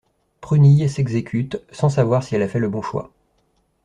Prunille s'exécute, sans savoir si elle a fait le bon choix.